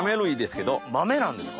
豆なんですか？